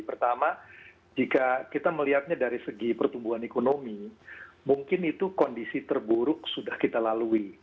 pertama jika kita melihatnya dari segi pertumbuhan ekonomi mungkin itu kondisi terburuk sudah kita lalui